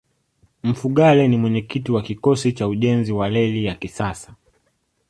mfugale ni mwenyekiti wa kikosi cha ujenzi wa reli ya kisasa